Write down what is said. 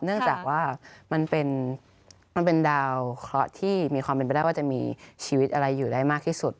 เนื่องจากว่ามันเป็นดาวเคราะห์ที่มีความเป็นไปได้ว่าจะมีชีวิตอะไรอยู่ได้มากที่สุด